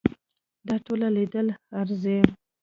دا ټول لیدل ارزي.